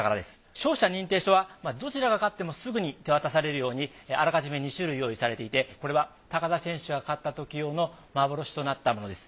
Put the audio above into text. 勝者認定書はどちらが勝ってもすぐに手渡されるようにあらかじめ２種類用意されていてこれは高田選手が勝ったとき用の幻となったものです。